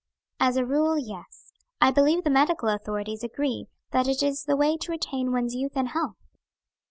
"As a rule, yes. I believe the medical authorities agree that it is the way to retain one's youth and health."